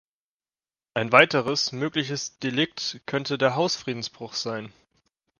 Ein weiteres, mögliches Delikt könnte der Hausfriedensbruch sein.